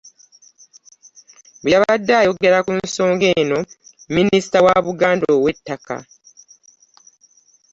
Bwe yabadde ayogera ku nsonga eno, minisita wa Buganda ow'ettaka